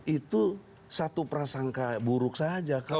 itu satu prasangka buruk saja